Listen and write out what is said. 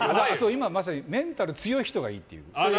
今まさにメンタル強い人がいいっていう。